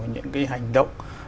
những cái hành động